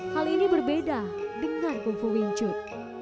hal ini berbeda dengan kungfu wing chun